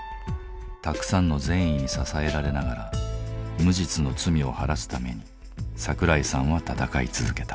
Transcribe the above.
たくさんの善意に支えられながら無実の罪を晴らすために桜井さんは闘い続けた。